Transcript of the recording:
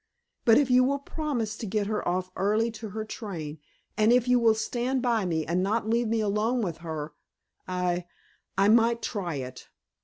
But if you will promise to get her off early to her train, and if you will stand by me and not leave me alone with her, I I might try it."